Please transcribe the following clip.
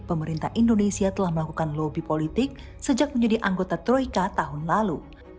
pemerintah indonesia telah melakukan lobby politik sejak menjadi anggota troika tahun lalu